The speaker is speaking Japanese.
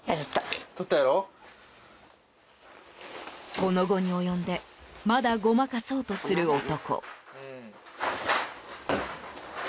この期に及んでまだ、ごまかそうとする男。